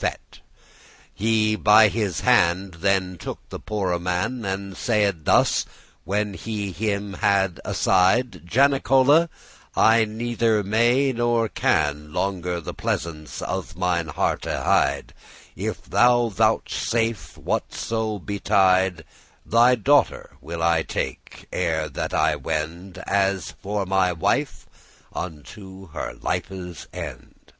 * *fetched He by the hand then took the poore man, And saide thus, when he him had aside: "Janicola, I neither may nor can Longer the pleasance of mine hearte hide; If that thou vouchesafe, whatso betide, Thy daughter will I take, ere that I wend,* *go As for my wife, unto her life's end.